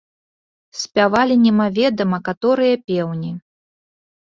Спявалі немаведама каторыя пеўні.